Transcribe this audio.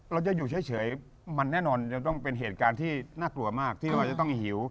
เราจะอยู่เฉยมันแน่นอนจะต้องเป็นเหตุการณ์ที่น่ากลัวมากที่เราจะต้องหิว